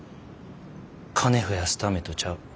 金増やすためとちゃう。